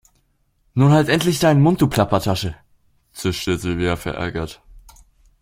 Nun halt endlich deinen Mund, du Plappertasche, zischte Silvia verärgert.